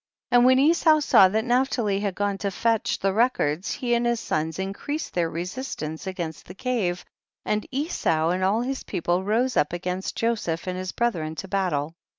60. And when Esau saw that Naphtali had gone to fetch the re cords he and his sons increased their resistance against the cave, and Esau and all his people rose up against Joseph and his brethren to battle.